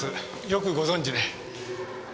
よくご存じで。